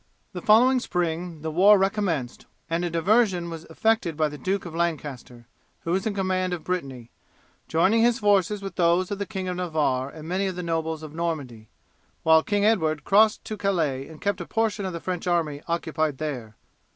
The following spring the war recommenced, and a diversion was effected by the Duke of Lancaster, who was in command of Brittany, joining his forces with those of the King of Navarre, and many of the nobles of Normandy, while King Edward crossed to Calais and kept a portion of the French army occupied there.